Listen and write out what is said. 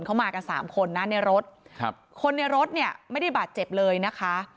เขามากันสามคนนะในรถครับคนในรถเนี่ยไม่ได้บาดเจ็บเลยนะคะ